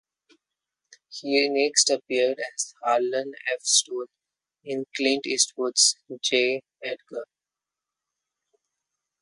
He next appeared as Harlan F. Stone in Clint Eastwood's "J. Edgar".